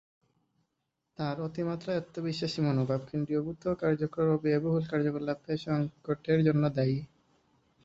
তার অতিমাত্রায় আত্মবিশ্বাসী মনোভাব, কেন্দ্রীভূত কার্যক্রম ও ব্যয়বহুল কার্যকলাপের এ সঙ্কটের জন্য দায়ী।